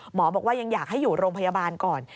หมอบอกว่ายังอยากให้อยู่โรงพยาบาลก่อน